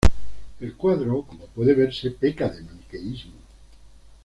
El cuadro, como puede verse, peca de maniqueísmo.